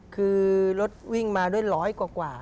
คือรถวิ่งมาด้วยร้อยกว่า